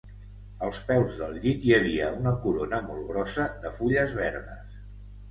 Als peus del llit hi havia una corona molt grossa de fulles verdes